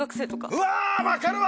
うわぁ分かるわ！